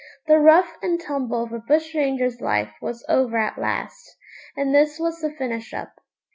The rough and tumble of a bush ranger's life was over at last, and this was the finish up.